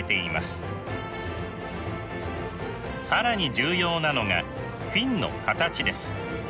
更に重要なのがフィンの形です。